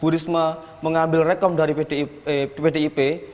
bu risma mengambil rekom dari pdip